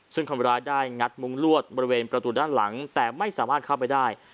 ซึ่งคนร้ายได้งัดมุ้งลวดบริเวณประตูด้านหลังแต่ไม่สามารถเข้าไปได้